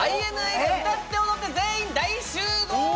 ＩＮＩが歌って踊って全員大集合！